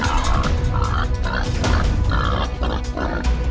itu siapa ya